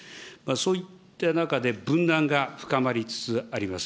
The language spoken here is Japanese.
そういった中で、分断が深まりつつあります。